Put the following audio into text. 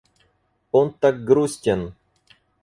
Он так грустен.